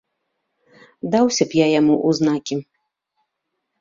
Даўся б я яму ў знакі!